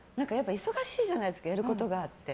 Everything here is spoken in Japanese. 忙しいじゃないですかやることがあって。